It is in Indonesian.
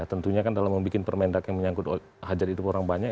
tentunya kan dalam membuat permendak yang menyangkut hajat hidup orang banyak